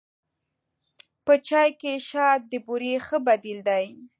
په چای کې شات د بوري ښه بدیل دی.